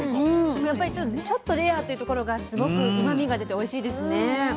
やっぱりちょっとレアっていうところがすごくうまみが出ておいしいですね。